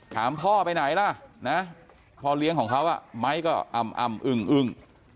ถามพ่อไปไหนล่ะพ่อเลี้ยงของเขาไมค์ก็อำอำอึ้งอึ้ง